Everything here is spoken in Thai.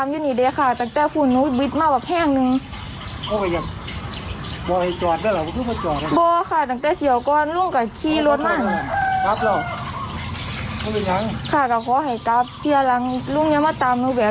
มันไม่ถือกล่องค่ะไม่ได้ตามเนอะ